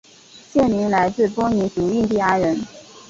县名来自波尼族印第安人。